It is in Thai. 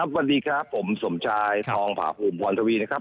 สวัสดีครับผมสมชายทองผาภูมิพรทวีนะครับ